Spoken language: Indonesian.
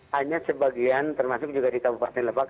hanya sebagian termasuk juga di kabupaten lebak